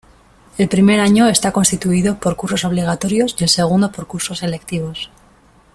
El primer año está constituido por cursos obligatorios y el segundo por cursos electivos.